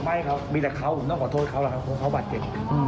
ไม่ครับมีแต่เขาผมต้องขอโทษเขาแล้วครับเพราะเขาบาดเจ็บ